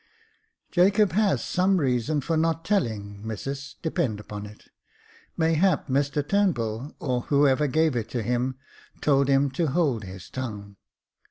" Jacob has some reason for not telling, missus, depend upon it ; mayhap Mr Turnbull, or whoever gave it to him, told him to hold his tongue."